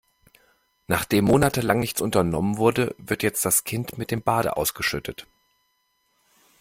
Nachdem monatelang nichts unternommen wurde, wird jetzt das Kind mit dem Bade ausgeschüttet.